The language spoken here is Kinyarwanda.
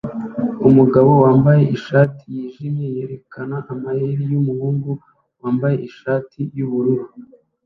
Umugabo wambaye ishati yijimye yerekana amayeri yumuhungu wambaye ishati yubururu